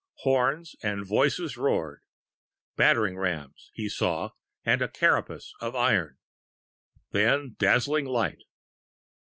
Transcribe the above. Horns and voices roared. Battering rams he saw, and a carapace of iron.... Then dazzling light....